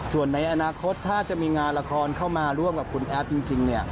ส่วนในอนาคตถ้าจะมีงานละครเข้ามาร่วมกับคุณแอฟจริง